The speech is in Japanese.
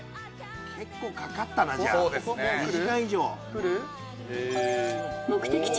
結構かかったな２時間以上。